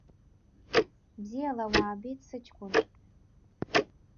Бзиала уаабеит сыҷкәын…